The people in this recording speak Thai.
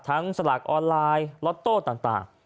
สลากออนไลน์ล็อตโต้ต่าง